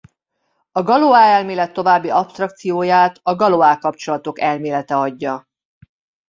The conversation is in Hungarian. A Galois-elmélet további absztrakcióját a Galois-kapcsolatok elmélete adja.